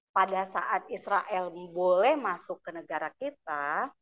pada saat israel boleh masuk ke negara kita